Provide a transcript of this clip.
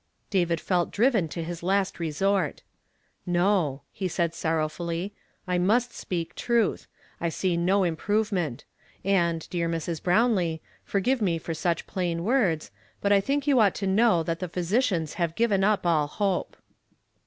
" David felt driven to his last resort. ." No," he said sorrowfully, " I must speak truth. I see no improvement ; and, dear Mi s. IJrownlee, forgive mu for such plain Avords, but I think you ought to know that the physicians have given up all hope."